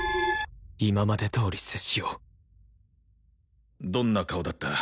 今までどおり接しようどんな顔だった？